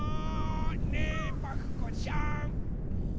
ねえパクこさん！